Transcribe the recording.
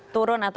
turun atau naik